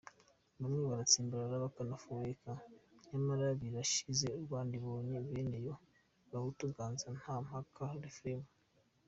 Bamwe baratsikimbaaa, bakananafurekaa, Nyamara birashize, Rwanda ibonye bene yo, Gahutu ganza nta mpakaaa Refrain :